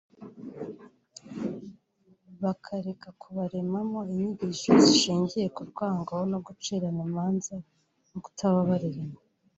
bakareka kubaremamo inyigisho zishingiye ku rwango no gucirana imanza no kutababarirana